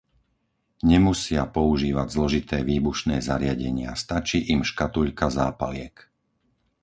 Nemusia používať zložité výbušné zariadenia, stačí im škatuľka zápaliek.